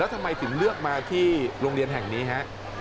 ทำไมถึงเลือกมาที่โรงเรียนแห่งนี้ฮะ